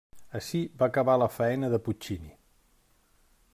Ací va acabar la faena de Puccini.